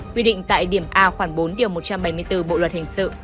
quy định tại điểm a khoảng bốn điều một trăm bảy mươi bốn bộ luật hình sự